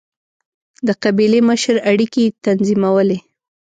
د قبیلې مشر اړیکې تنظیمولې.